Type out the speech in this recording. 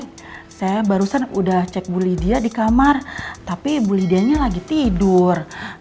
pak alex saya barusan udah cek bu lidia di kamar tapi bu lidianya lagi tidur